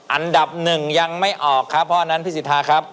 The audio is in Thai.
อันดับหนึ่งยังไม่ออกครับเพราะอันนั้นพี่สิทธาครับ